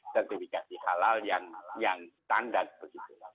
sertifikasi halal yang standar